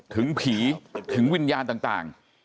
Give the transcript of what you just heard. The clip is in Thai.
ถึงผีถึงวิญญาณต่าง